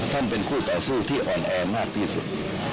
เป็นคู่ต่อสู้ที่อ่อนแอมากที่สุด